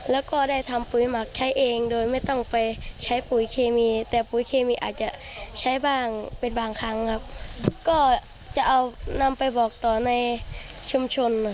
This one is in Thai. แล้วก็ได้ทำปุ๋ยหมักใช้เองโดยไม่ต้องไปใช้ปุ๋ยเคมีแต่ปุ๋ยเคมีอาจจะใช้บ้างเป็นบางครั้งครับก็จะเอานำไปบอกต่อในชุมชน